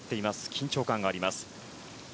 緊張感があります。